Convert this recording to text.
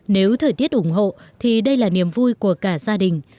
nếu thời tiết ủng hộ thì đây là niềm vui của cả gia đình